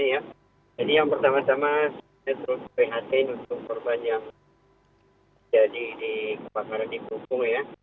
jadi yang pertama tama saya terus perhatikan untuk perban yang jadi di kebakaran di berhubung